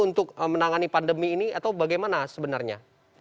untuk menangani pandemi ini atau bagaimana sebenarnya